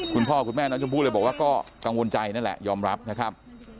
คุณพ่อคุณแม่น้องชมพู่เลยบอกว่าก็กังวลใจนั่นแหละยอมรับนะครับ